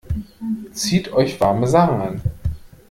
Zieht euch warme Sachen an!